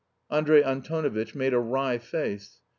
Andrey Antonovitch made a wry face.